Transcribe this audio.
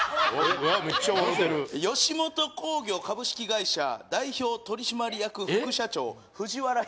「吉本興業株式会社代表取締役副社長」「藤原寛」